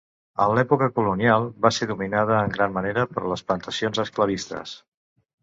En l'època colonial, va ser dominada en gran manera per les plantacions esclavistes.